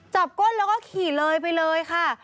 ก้นแล้วก็ขี่เลยไปเลยค่ะ